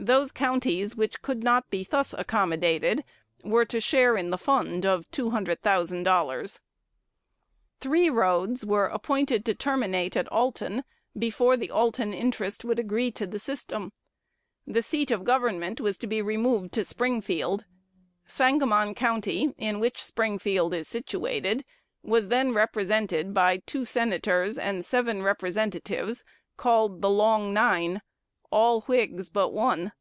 Those counties which could not be thus accommodated were to share in the fund of two hundred thousand dollars. Three roads were appointed to terminate at Alton, before the Alton interest would agree to the system. The seat of government was to be removed to Springfield. Sangamon County, in which Springfield is situated, was then represented by two Senators and seven Representatives, called the 'Long Nine,' all Whigs but one.